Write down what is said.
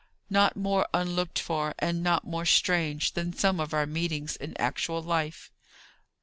Not more unlooked for, and not more strange than some of our meetings in actual life.